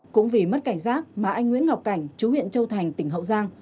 cũng vì mất cảnh giác mà anh nguyễn ngọc cảnh chú huyện châu thành tỉnh hậu giang